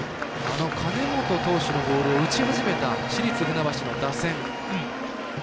金本投手のボールを打ち始めた市立船橋の打線。